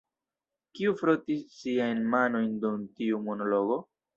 Kiu frotis siajn manojn dum tiu monologo?